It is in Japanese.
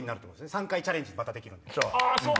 ３回チャレンジできるんで。